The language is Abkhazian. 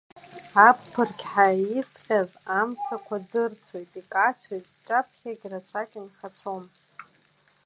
Аԥырқьҳәа иҵҟьаз амцақәа дырцәоит, икацәоит, сҿаԥхьагь рацәак инхацәом.